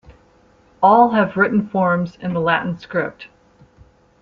All have written forms in the Latin script.